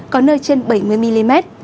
có nơi trên bảy mươi mm